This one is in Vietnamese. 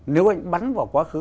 nếu anh bắn vào quá khứ